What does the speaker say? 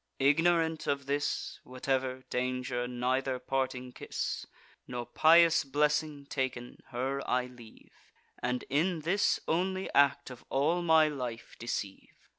Ignorant of this (Whatever) danger, neither parting kiss, Nor pious blessing taken, her I leave, And in this only act of all my life deceive.